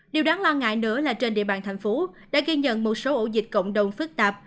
điều đáng lo ngại nữa là trên địa bàn thành phố đã ghi nhận một số ổ dịch cộng đồng phức tạp